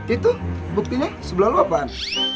itu buktinya sebelah lo apaan